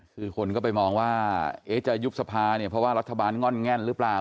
คือคนก็ไปมองว่าจะยุบสภาเนี่ยเพราะว่ารัฐบาลง่อนแง่นหรือเปล่า